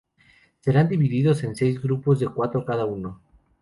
Serán divididos en seis grupos de cuatro cada uno.